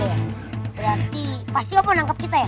berarti pasti om mau nangkep kita ya